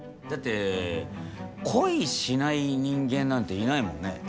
だって恋しない人間なんていないもんね。